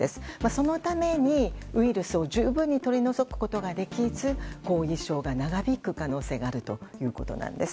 そのために、ウイルスを十分に取り除くことができず後遺症が長引く可能性があるということです。